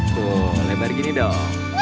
tuh lebar gini dong